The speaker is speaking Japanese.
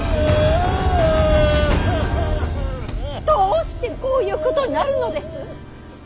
どうしてこういうことになるのです。